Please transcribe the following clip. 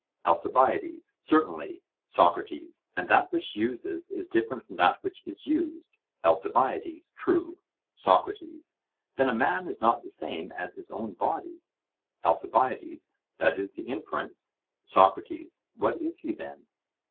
ALCIBIADES: Certainly. SOCRATES: And that which uses is different from that which is used? ALCIBIADES: True. SOCRATES: Then a man is not the same as his own body? ALCIBIADES: That is the inference. SOCRATES: What is he, then?